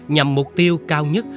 nhằm mục tiêu cao nhất